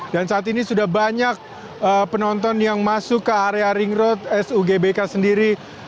dan saat ini sudah banyak penonton yang masuk ke area ring road sugbk sendiri